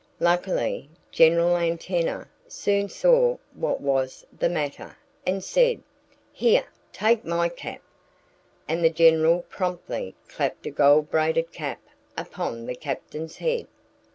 Luckily, General Antenna soon saw what was the matter, and said: "Here take my cap!" And the General promptly clapped a gold braided cap upon the Captain's head.